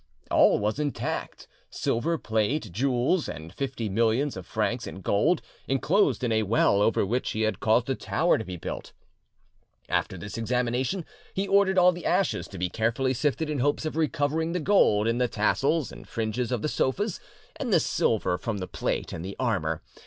All was intact, silver plate, jewels, and fifty millions of francs in gold, enclosed in a well over which he had caused a tower to be built. After this examination he ordered all the ashes to be carefully sifted in hopes of recovering the gold in the tassels and fringes of the sofas, and the silver from the plate and the armour.